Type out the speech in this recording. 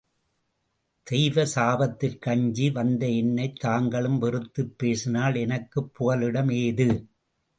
தெய்வ சாபத்திற்கு அஞ்சி வந்த என்னைத் தாங்களும் வெறுத்துப் பேசினால் எனக்குப் புகலிடம் ஏது?